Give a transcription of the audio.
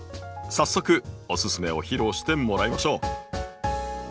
早速おススメを披露してもらいましょう。